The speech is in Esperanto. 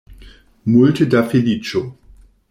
Multe da feliĉo.